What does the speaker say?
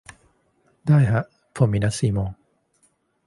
ได้ฮะ ผมมีนัดสี่โมง